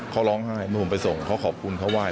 เขาร้องไห้เมื่อผมไปส่งเขาขอบคุณเขาไห้